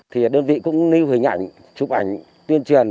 thì đơn vị cũng lưu hình ảnh chụp ảnh tuyên truyền